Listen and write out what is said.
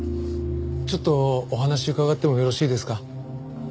ちょっとお話伺ってもよろしいですか？